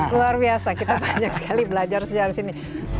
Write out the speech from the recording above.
luar biasa kita banyak sekali belajar sejarah di sini